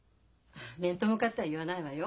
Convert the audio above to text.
面と向かっては言わないわよ。